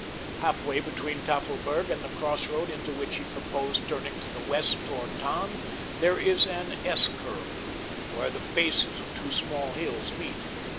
Halfway between Tafelberg and the crossroad into which he purposed turning to the west toward Tann there is an S curve where the bases of two small hills meet.